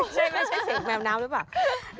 ไม่ใช่เสียงแมวน้ำหรือเปล่า